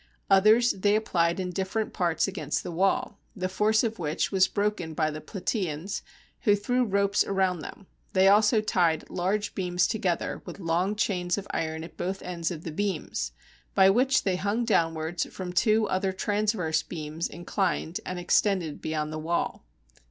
Others they applied in different parts against the wall, the force of which was broken by the Plataeans, who threw ropes around them ; they also tied large beams together, with long chains of iron at both ends of the beams, by which they hung downwards from two other transverse beams inclined and extended beyond the wall.